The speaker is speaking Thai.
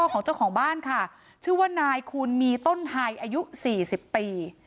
ของเจ้าของบ้านค่ะชื่อว่านายคูณมีต้นไฮอายุ๔๐ปี